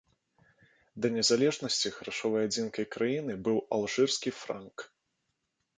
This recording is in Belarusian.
Да незалежнасці грашовай адзінкай краіны быў алжырскі франк.